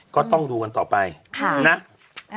ก็ต้องดูกันต่อไปนะ